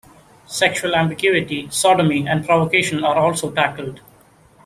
Sexual ambiguity, sodomy and provocation are also tackled.